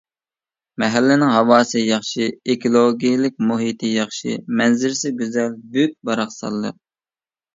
مەھەللىنىڭ ھاۋاسى ياخشى، ئېكولوگىيەلىك مۇھىتى ياخشى، مەنزىرىسى گۈزەل، بۈك-باراقسانلىق.